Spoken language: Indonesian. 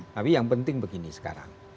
tapi yang penting begini sekarang